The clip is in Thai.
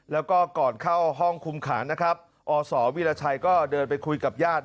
แล้วก็ก่อนเข้าห้องคุมขังนะครับอศวีรชัยก็เดินไปคุยกับญาติ